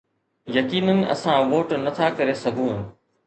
يقينن اسان ووٽ نه ٿا ڪري سگهون